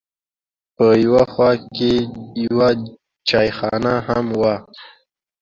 په یوه خوا کې یوه چایخانه هم وه.